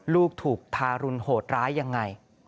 ลูกถูกทารุณโหดร้ายยังไง